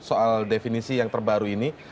soal definisi yang terbaru ini